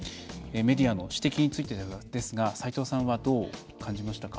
メディアの指摘についてですが斎藤さんはどう感じましたか。